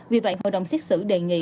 vì vậy hội đồng xét xử đề nghị